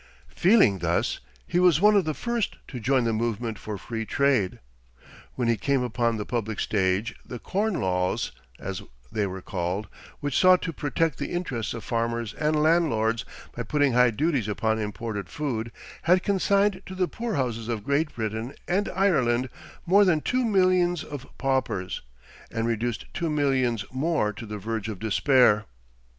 Feeling thus, he was one of the first to join the movement for Free Trade. When he came upon the public stage the Corn Laws, as they were called, which sought to protect the interests of farmers and landlords by putting high duties upon imported food, had consigned to the poor houses of Great Britain and Ireland more than two millions of paupers, and reduced two millions more to the verge of despair.